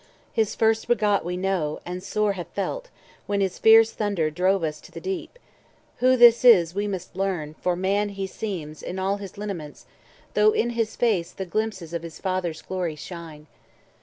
His first begot we know, and sore have felt, When his fierce thunder drove us to the Deep; 90 Who this is we must learn, for Man he seems In all his lineaments, though in his face The glimpses of his Father's glory shine.